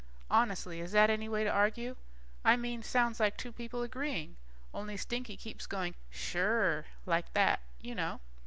Honestly, is that any way to argue? I mean it sounds like two people agreeing, only Stinky keeps going suuure, like that, you know?